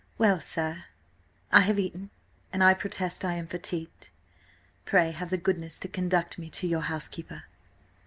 "Well, sir, I have eaten, and I protest I am fatigued. Pray have the goodness to conduct me to your housekeeper."